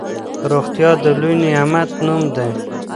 روغتيا د لوی نعمت نوم دی.